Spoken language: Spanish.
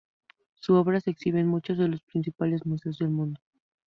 Su obra se exhibe en muchos de los principales museos del mundo.